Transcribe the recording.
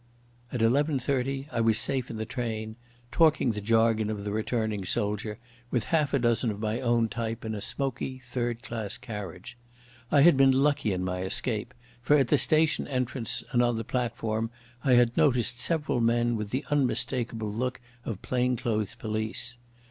At eleven thirty I was safe in the train, talking the jargon of the returning soldier with half a dozen of my own type in a smoky third class carriage. I had been lucky in my escape, for at the station entrance and on the platform I had noticed several men with the unmistakable look of plainclothes police.